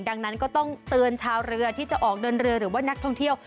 ดังนั้นก็ต้องเตือนชาวเรือที่จะออกเดินเรือหรือว่านักท่องเที่ยว